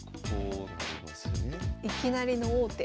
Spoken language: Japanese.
いきなりの王手。